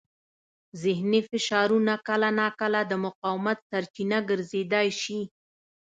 ذهني فشارونه کله ناکله د مقاومت سرچینه ګرځېدای شي.